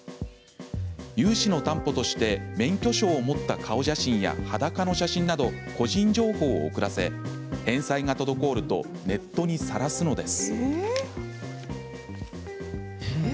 融資の担保として免許証を持った顔写真や裸の写真など個人情報を送らせ返済が滞るとネットにさらすのです。